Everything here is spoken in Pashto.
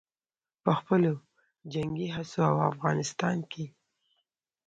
په خپلو جنګي هڅو او افغانستان کښې